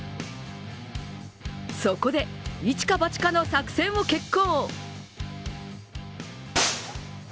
そこで一か八かの作戦を決行。